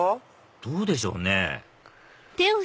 どうでしょうね？